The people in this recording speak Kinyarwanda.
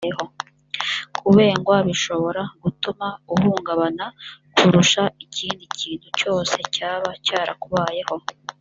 kubengwa bishobora gutuma uhungabana kurusha ikindi kintu cyose cyaba cyarakubayeho